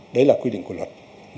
đấy là quy định của luật